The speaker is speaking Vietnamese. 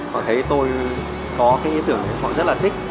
họ thấy tôi có cái ý tưởng họ rất là thích